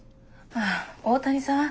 ああ大谷さん？